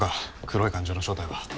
黒い感情の正体は。